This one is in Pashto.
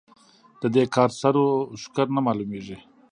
د دې کار سر و ښکر نه مالومېږي.